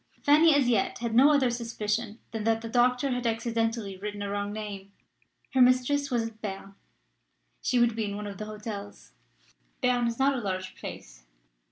Fanny as yet had no other suspicion than that the doctor had accidentally written a wrong name. Her mistress was at Berne: she would be in one of the hotels. Berne is not a large place.